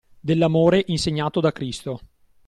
Dell'amore insegnato da Cristo.